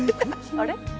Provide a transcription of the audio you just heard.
「あれ？」